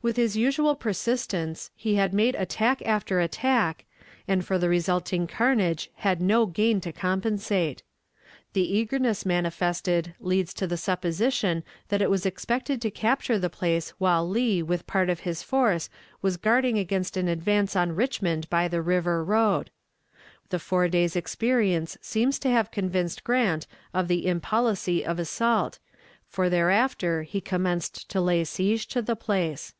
With his usual persistence, he had made attack after attack, and for the resulting carnage had no gain to compensate. The eagerness manifested leads to the supposition that it was expected to capture the place while Lee with part of his force was guarding against an advance on Richmond by the river road. The four days' experience seems to have convinced Grant of the impolicy of assault, for thereafter he commenced to lay siege to the place.